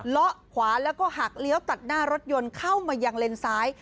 ละขวาแล้วก็หักเลี้ยวตัดหน้ารถยนต์เข้ามายังเลนซ้าย